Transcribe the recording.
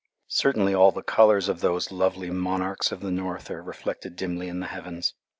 Certainly all the colours of those lovely monarchs of the North are reflected dimly in the heavens.